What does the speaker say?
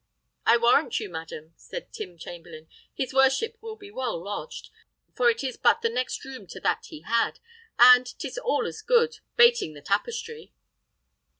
"I warrant you, madam," said Tim Chamberlain, "his worship will be well lodged; for 'tis but the next room to that he had, and 'tis all as good, bating the tapestry."